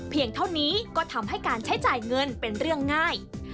เท่านี้ก็ทำให้การใช้จ่ายเงินเป็นเรื่องง่าย